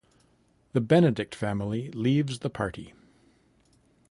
The Benedict family leaves the party.